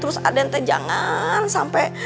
terus aden jangan sampai